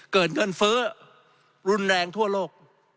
เกิดเงินเฟ้อรุนแรงทั่วโลก